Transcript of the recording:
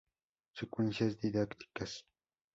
Secuencias didácticas.